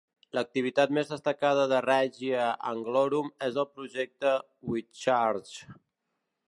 L'activitat més destacada de Règia Anglorum és el Projecte Wychurst.